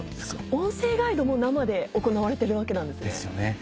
音声ガイドも生で行われてるわけなんですね。ですよね。